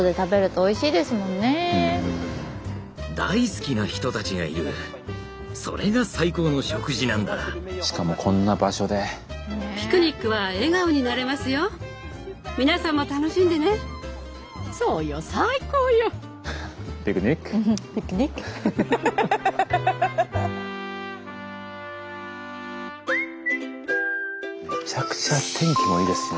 めちゃくちゃ天気もいいですね。